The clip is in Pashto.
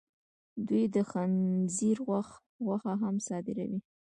دوی د خنزیر غوښه هم صادروي.